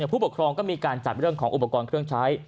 ผู้ปกครองก็มีการจัดเรื่องของอุปกรณ์เครื่องใช้